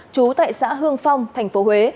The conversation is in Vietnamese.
trú tại xã hương phong thành phố huế